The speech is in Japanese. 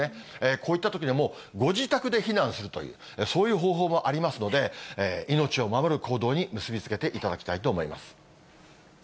こういったときにはもう、ご自宅で避難するという、そういう方法もありますので、命を守る行動に結び付けていただきたいと思います。